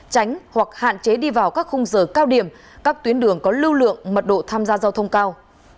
tránh hoặc hạn chế đi vào các khung giờ cao điểm các tuyến đường có lưu lượng mật độ tham gia giao thông cao